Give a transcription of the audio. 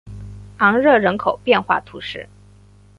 昂热人口变化图示